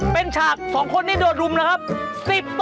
เป็นฉาก๒คนที่โดนรุมนะครับ